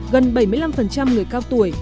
gần bảy mươi năm người cao tuổi